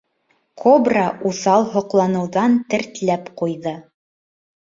Кобра уҫал һоҡланыуҙан тертләп ҡуйҙы.